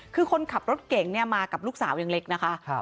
คือคนขับรถเก่งเนี่ยมากับลูกสาวยังเล็กนะคะ